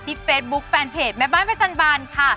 ที่เฟสบุ๊คแฟนเพจแมพบ้านแมพจันบันค่ะ